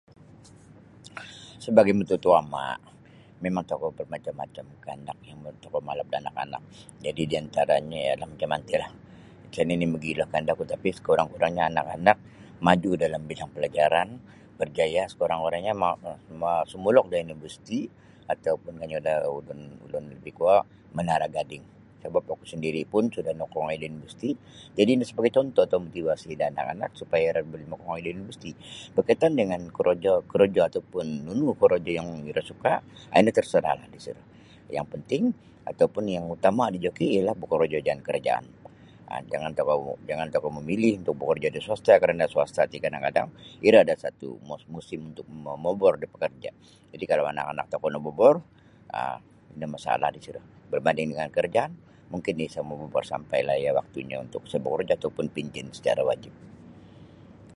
Sabagai matutuoma' mimang tokou bermacam-macam kaandak yang tokou malap da anak-anak jadi' diantaranyo ialah macam mantilah isa nini' mogilo kaandakku sekurang-kurangnyo anak-anak maju dalam bidang pelajaran barjaya' sekurang-kurangnyo ma ma sumulok da universiti atau pun kanyu da ulun ulun labih kuo manara gading sabap oku sandiri' pun sudah nakaongoi da universiti jadi' ino sabagai cuntuh atau motivasi da anak-anak supaya iro buli makaongoi da universiti. Bakaitan dengan korojo korojo atau pun nunu korojo yang iro suka' um ino terserahlah disiro yang penting atau pun yang utama dijoki ialah bokorojo jaan karajaan um jangan tokou jangan tokou mamilih untuk bokorojo da swasta karana swasta ti kadang-kadang iro ada satu musim untuk momobor da pekerja' jadi' kalau anak-anak tokou nobobor um ino masalah disiro barbanding jangan karajaan mungkin iyo isa' momobor sampailah iyo waktunyo untuk isa' bokorojo atau pun pencen secara wajip.